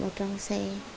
ở trong xe